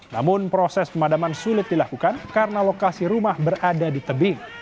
namun proses pemadaman sulit dilakukan karena lokasi rumah berada di tebing